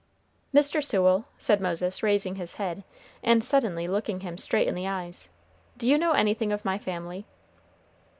"Mr. Sewell," said Moses, raising his head, and suddenly looking him straight in the eyes, "do you know anything of my family?"